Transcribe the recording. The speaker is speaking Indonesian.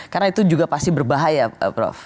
karena itu juga pasti berbahaya prof